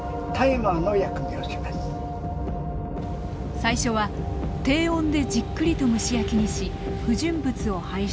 最初は低温でじっくりと蒸し焼きにし不純物を排出。